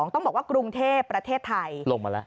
ต้องบอกว่ากรุงเทพประเทศไทยลงมาแล้ว